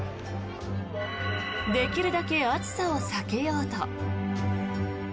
できるだけ暑さを避けようと。